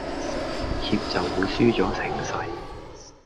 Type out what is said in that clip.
怯就會輸咗成世